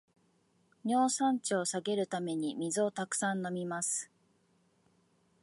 尿酸値を下げるために水をたくさん飲みます